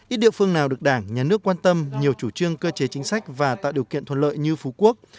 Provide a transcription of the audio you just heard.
ít địa phương nào được đảng nhà nước quan tâm nhiều chủ trương cơ chế chính sách và tạo điều kiện thuận lợi như phú quốc